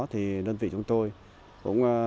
thì đơn vị chúng tôi cũng